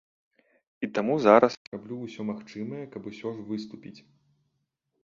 І таму зараз я раблю ўсё магчымае, каб усё ж выступіць.